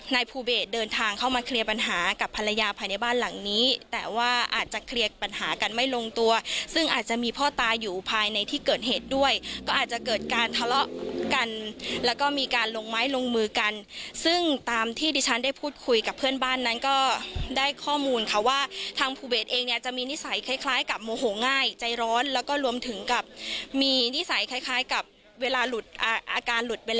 นายภูเบสเดินทางเข้ามาเคลียร์ปัญหากับภรรยาภายในบ้านหลังนี้แต่ว่าอาจจะเคลียร์ปัญหากันไม่ลงตัวซึ่งอาจจะมีพ่อตายอยู่ภายในที่เกิดเหตุด้วยก็อาจจะเกิดการทะเลาะกันแล้วก็มีการลงไม้ลงมือกันซึ่งตามที่ดิฉันได้พูดคุยกับเพื่อนบ้านนั้นก็ได้ข้อมูลค่ะว่าทางภูเบสเองเนี่ยจะมีนิส